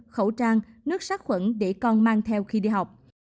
khẩu trang nước sát khuẩn để con mang theo khi đi học